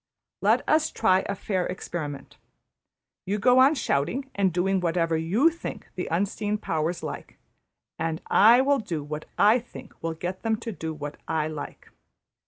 Let us try a fair experiment. You go on shouting and doing whatever \emph{you} think the Unseen Powers like; and I will do what \emph{I} think will get them to do what \emph{I} like.